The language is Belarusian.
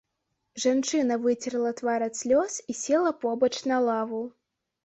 Жанчына выцерла твар ад слёз і села побач на лаву.